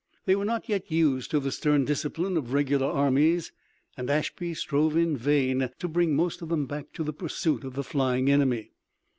They were not yet used to the stern discipline of regular armies and Ashby strove in vain to bring most of them back to the pursuit of the flying enemy.